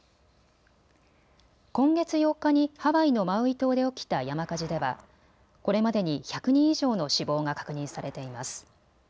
今月８日にハワイのマウイ島で起きた山火事ではこれまでに１００人以上の死亡が確認されています。